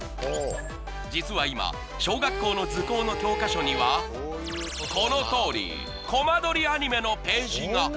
実は今小学校の図工の教科書にはこのとおりコマ撮りアニメのページが！